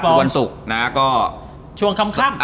ทุกวันศุกร์นะครับ